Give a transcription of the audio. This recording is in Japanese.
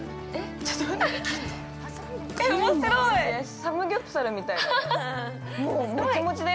◆サムギョプサルみたいだよ。